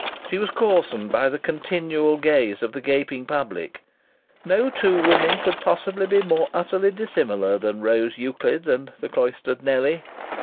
She was coarsened by the continual gaze of the gaping public. No two women could possibly be more utterly dissimilar than Rose Euclid and the cloistered Nellie....